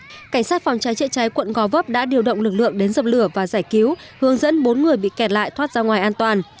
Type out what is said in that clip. cảnh sát phòng cháy chữa cháy quận gò vấp đã điều động lực lượng đến dập lửa và giải cứu hướng dẫn bốn người bị kẹt lại thoát ra ngoài an toàn